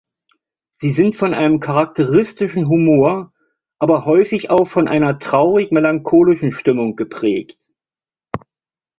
Sie sind von einem charakteristischen Humor, aber häufig auch von einer traurig-melancholischen Stimmung geprägt.